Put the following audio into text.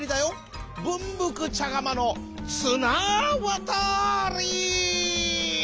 ぶんぶくちゃがまのつなわたり」。